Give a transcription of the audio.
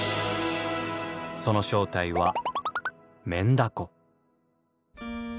その正体はメンダコ。